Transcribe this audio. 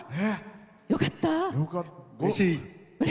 よかった！